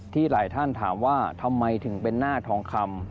หลายท่านถามว่าทำไมถึงเป็นหน้าทองคำ